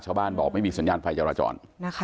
ชาวบ้านบอกไม่มีสัญญาณไฟจรจร